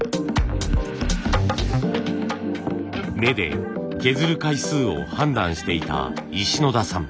目で削る回数を判断していた石野田さん。